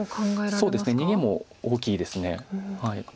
そうですね逃げも大きいです。